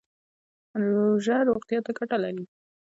روژه روغتیا ته ګټه لري